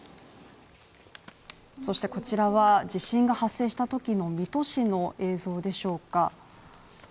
そしてこちらは地震が発生したときの水戸市の映像でしょうか？